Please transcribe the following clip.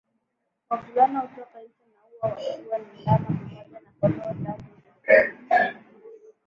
wavulana hutoka nje ya uwa wakiwa na ndama pamoja na kondoo tangu utotoni